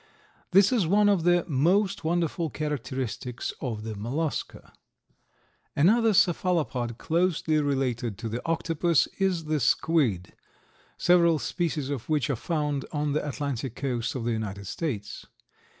This is one of the most wonderful characteristics of the Mollusca. Another cephalopod closely related to the Octopus is the Squid, several species of which are found on the Atlantic coast of the United States.